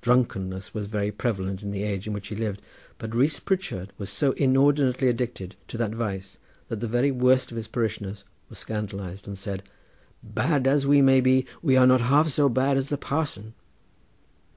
Drunkenness was very prevalent in the age in which he lived, but Rees Pritchard was so inordinately addicted to that vice that the very worst of his parishioners were scandalised and said: "Bad as we may be we are not half so bad as the parson."